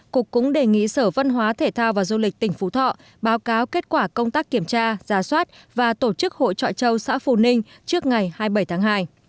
cục cũng đề nghị sở văn hóa thể thao và du lịch tỉnh phú thọ báo cáo kết quả công tác kiểm tra giả soát và tổ chức hội trọi châu xã phù ninh trước ngày hai mươi bảy tháng hai